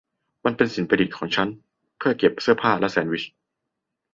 มันเป็นสิ่งประดิษฐ์ของฉันเอง เพื่อเก็บเสื้อผ้าและแซนด์วิช